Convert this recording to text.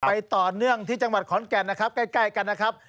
ไปต่อเนื่องที่จังหวัดขอนแก่นนะครับใกล้กันนะครับ